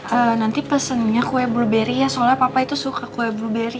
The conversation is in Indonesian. ya nanti pesen nya kue blueberry ya soalnya papa itu suka kue blueberry